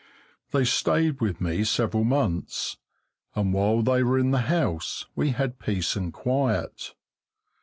They stayed with me several months, and while they were in the house we had peace and quiet.